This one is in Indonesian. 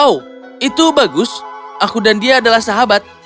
oh itu bagus aku dan dia adalah sahabat